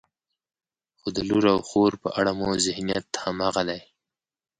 خو د لور او خور په اړه مو ذهنیت همغه دی.